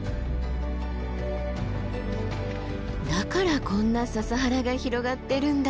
だからこんな笹原が広がってるんだ。